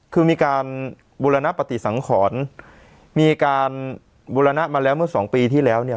คือมีการบูรณปฏิสังขรมีการบูรณะมาแล้วเมื่อสองปีที่แล้วเนี่ย